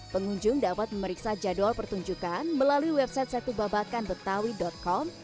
pengunjung dapat memeriksa jadwal pertunjukan melalui website setubabakanbetawi com